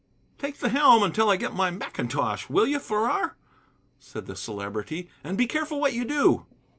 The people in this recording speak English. "Take the helm until I get my mackintosh, will you, Farrar?" said the Celebrity, "and be careful what you do."